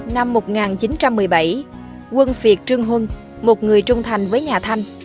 năm một nghìn chín trăm một mươi bảy quân việt trương huân một người trung thành với nhà thanh